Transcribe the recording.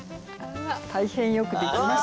大変よくできました。